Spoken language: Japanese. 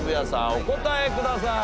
お答えください。